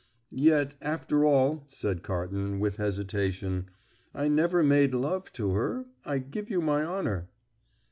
"Yet, after all," said Carton, with hesitation, "I never made love to her, I give you my honour."